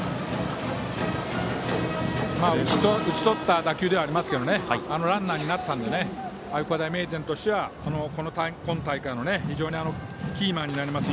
打ち取った打球ではありますけどランナーになったので愛工大名電としては今大会の非常にキーマンになります